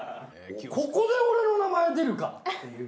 ここで俺の名前出るかっていう。